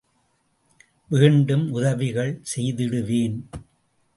வேண்டும் உதவிகள் செய்திடுவேன்.